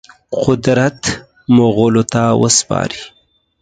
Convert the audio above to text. قدرت مغولو ته وسپاري.